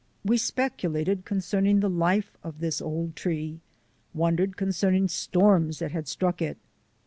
We speculated concerning the life of this old tree; wondered concerning storms that had struck it.